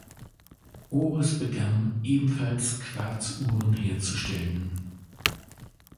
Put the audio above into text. Oris begann, ebenfalls Quarzuhren herzustellen.